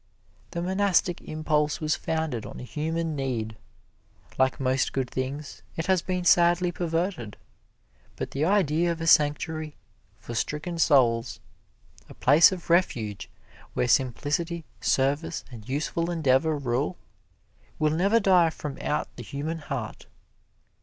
The monastic impulse was founded on a human need. Like most good things, it has been sadly perverted; but the idea of a sanctuary for stricken souls a place of refuge, where simplicity, service and useful endeavor rule will never die from out the human heart.